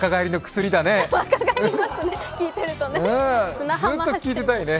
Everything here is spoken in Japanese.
ずっと聞いてたいね。